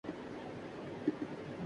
مر گیا صدمۂ یک جنبش لب سے غالبؔ